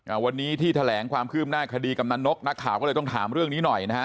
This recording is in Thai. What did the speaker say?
วันนี้ที่แถลงความคืบหน้าคดีกำนันนกนักข่าวก็เลยต้องถามเรื่องนี้หน่อยนะฮะ